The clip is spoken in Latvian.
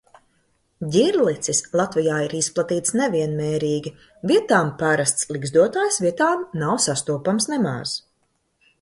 Ģirlicis Latvijā ir izplatīts nevienmērīgi – vietām parasts ligzdotājs, vietām nav sastopams nemaz.